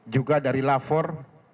juga dari lafor